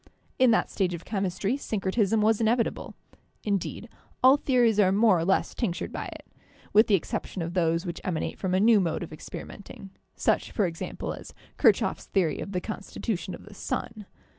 In that stage of chemistry syncretism was inevitable ; in deed, all theories are more or less tinctured by it, with the exception of those which emanate from a new mode of experimenting, such, for example, as KirchhofFs theory of the constitution of the sun.